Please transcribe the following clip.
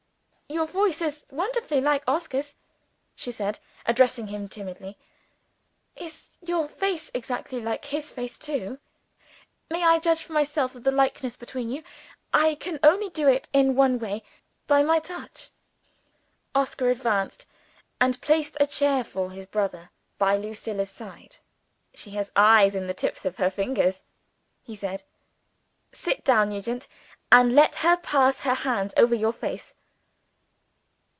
"Your voice is wonderfully like Oscar's," she said, addressing him timidly. "Is your face exactly like his face, too? May I judge for myself of the likeness between you? I can only do it in one way by my touch." Oscar advanced, and placed a chair for his brother by Lucilla's side. "She has eyes in the tips of her fingers," he said. "Sit down, Nugent, and let her pass her hand over your face."